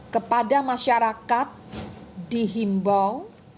kepada masyarakat dihimbau